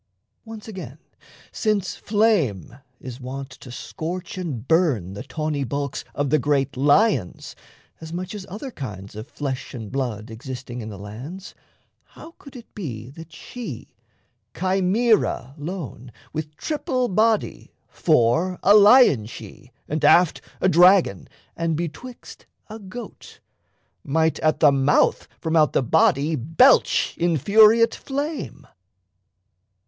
Once again, since flame Is wont to scorch and burn the tawny bulks Of the great lions as much as other kinds Of flesh and blood existing in the lands, How could it be that she, Chimaera lone, With triple body fore, a lion she; And aft, a dragon; and betwixt, a goat Might at the mouth from out the body belch Infuriate flame?